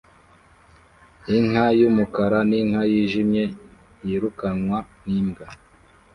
Inka y'umukara n'inka yijimye birukanwa n'imbwa